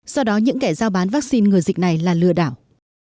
do đó những kẻ giao bán vaccine ngừa dịch này là lừa đảo